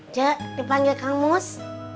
cek dipanggil kang mus